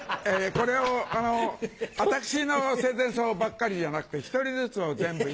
これを私の生前葬ばっかりじゃなくて１人ずつを全部。